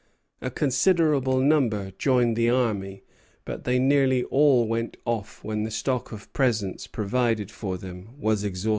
A considerable number joined the army; but they nearly all went off when the stock of presents provided for them was exhausted.